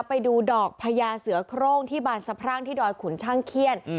ไปดูดอกพญาเสือโครงที่บานสะพรั่งที่ดอยขุนช่างเขี้ยน